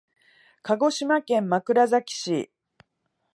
鹿児島県枕崎市